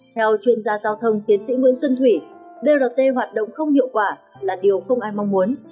theo chuyên gia giao thông tiến sĩ nguyễn xuân thủy brt hoạt động không hiệu quả là điều không ai mong muốn